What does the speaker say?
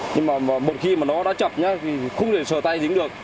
nhưng mà một khi mà nó đã chập nhá thì không thể sờ tay dính được